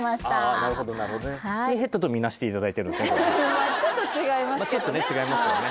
あなるほどなるほどねスキンヘッドと見なしていただいてるまあちょっとね違いますよね